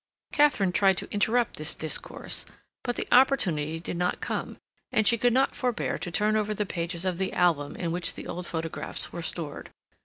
Katharine tried to interrupt this discourse, but the opportunity did not come, and she could not forbear to turn over the pages of the album in which the old photographs were stored.